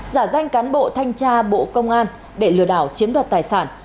giả danh cán bộ thanh tra bộ công an để lừa đảo chiếm đoạt tài sản